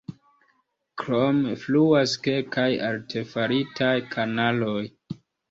Krome fluas kelkaj artefaritaj kanaloj.